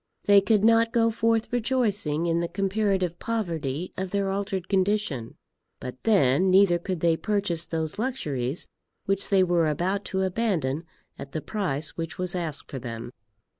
They could not go forth rejoicing in the comparative poverty of their altered condition. But then, neither could they purchase those luxuries which they were about to abandon at the price which was asked for them.